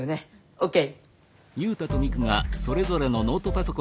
ＯＫ。